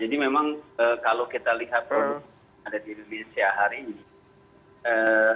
jadi memang kalau kita lihat produk yang ada di indonesia hari ini